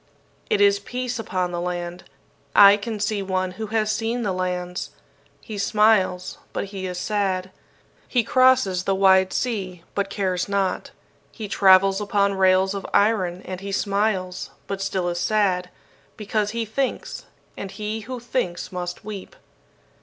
"It is peace upon the land. I can see one who has seen the lands. He smiles, but he is sad. He crosses the wide sea, but cares not. He travels upon rails of iron, and he smiles, but still is sad, because he thinks; and he who thinks must weep.